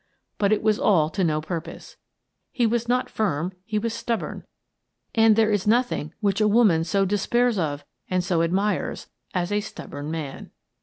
But it was all to no purpose. He was not firm; he was stubborn, — and there is nothing which a woman so despairs of and so admires as a stubborn man.